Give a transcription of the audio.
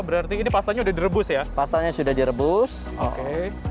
berarti ini pastanya udah direbus ya pastanya sudah direbus oke